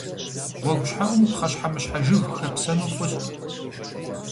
Гъуэгущхьэӏум пхъэщхьэмыщхьэ жыг хэпсэну фӏыщ.